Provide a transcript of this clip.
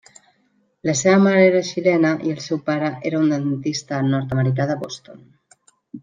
La seva mare era xilena i el seu pare era un dentista nord-americà de Boston.